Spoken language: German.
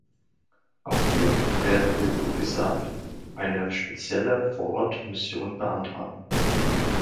Auch hier werden wir, wie gesagt, eine spezielle Vor-Ort-Mission beantragen.